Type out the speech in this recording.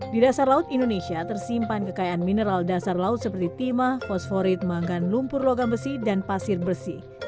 di dasar laut indonesia tersimpan kekayaan mineral dasar laut seperti timah fosforit manggan lumpur logam besi dan pasir bersih